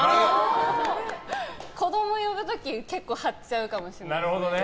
子供呼ぶ時、結構張っちゃうかもしれないです。